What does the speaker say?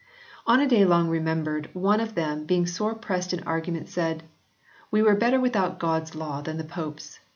On a day long remem bered, one of them being sore pressed in argument said "We were better without God s law than the Pope s."